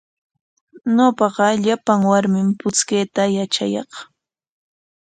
Ñawpaqa llapan warmim puchkayta yatraq.